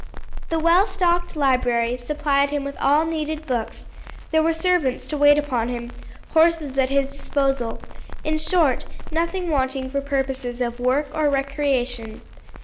The well stocked library supplied him with all needed books, there were servants to wait upon him, horses at his disposal, in short, nothing wanting for purposes of work or of recreation.